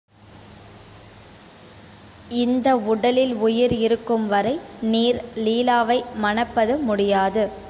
இந்த உடலில் உயிர் இருக்கும் வரை நீர் லீலாவை மணப்பது முடியாது!